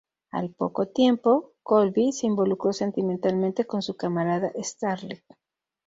Al poco tiempo, Colby se involucró sentimentalmente con su camarada Starlight.